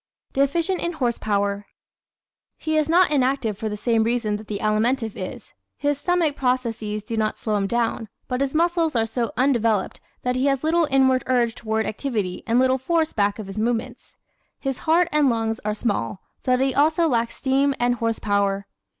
Deficient in "Horse Power" ¶ He is not inactive for the same reason that the Alimentive is; his stomach processes do not slow him down. But his muscles are so undeveloped that he has little inward urge toward activity and little force back of his movements. His heart and lungs are small, so that he also lacks "steam" and "horse power."